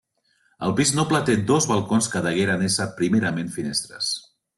El pis noble té dos balcons, que degueren ésser primerament finestres.